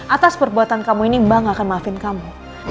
atas perbuatan kamu ini mbak gak akan maafin kamu